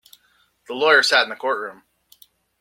The lawyer sat in the courtroom.